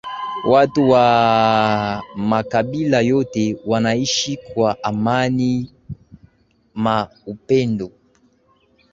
Watu was makabila yote wanaishi kwa amani ma upendo